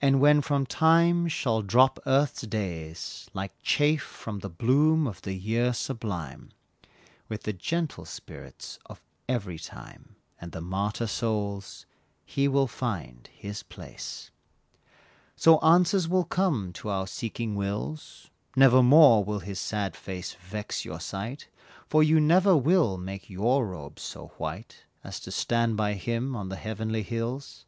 And when from Time shall drop Earth's days Like chaff from the bloom of the year sublime, With the gentle spirits of every time, And the martyr souls, he will find his place. So answers will come to our seeking wills, Nevermore will his sad face vex your sight, For you never will make your robes so white As to stand by him on the heavenly hills.